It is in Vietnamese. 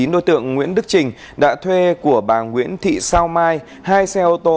đối tượng nguyễn đức trình đã thuê của bà nguyễn thị sao mai hai xe ô tô